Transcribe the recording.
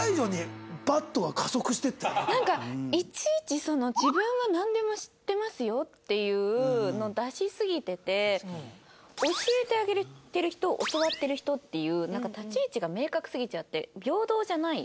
なんかいちいちその自分はなんでも知ってますよっていうのを出しすぎてて教えてあげてる人教わってる人っていうなんか立ち位置が明確すぎちゃって平等じゃない。